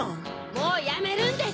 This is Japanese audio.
もうやめるんです！